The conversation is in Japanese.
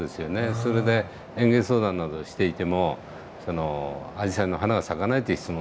それで園芸相談などをしていてもアジサイの花が咲かないという質問